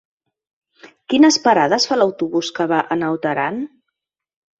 Quines parades fa l'autobús que va a Naut Aran?